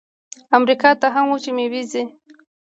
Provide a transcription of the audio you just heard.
امریکا ته هم وچې میوې ځي.